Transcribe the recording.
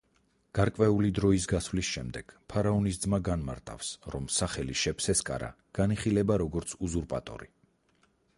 გარკვეული დროის გასვლის შემდეგ ფარაონის ძმა განმარტავს რომ სახელი შეპსესკარა განიხილება როგორც უზურპატორი.